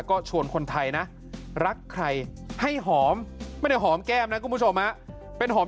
ก็ชวนคนไทยนะรักใครให้หอมไม่ได้หอมแก้มนะคุณผู้ชมเป็นหอม